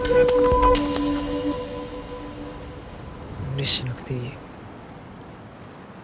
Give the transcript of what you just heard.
無理しなくていい。